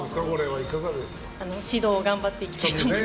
指導を頑張っていきたいと思います。